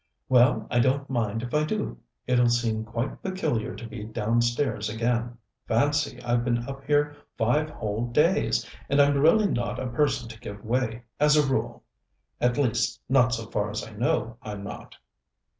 "Well, I don't mind if I do. It'll seem quite peculiar to be downstairs again. Fancy, I've been up here five whole days! And I'm really not a person to give way, as a rule. At least, not so far as I know, I'm not."